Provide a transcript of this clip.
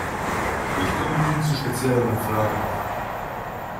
Ich komme nun zu spezielleren Fragen.